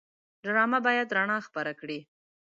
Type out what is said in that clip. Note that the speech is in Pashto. ډرامه باید رڼا خپره کړي